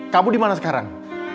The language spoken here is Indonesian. kamu dimana sekarang